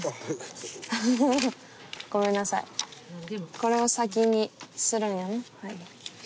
これを先にするんやね。